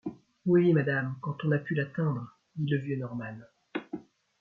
Oui ! madame, quand on a pu l’atteindre, dit le vieux Norman.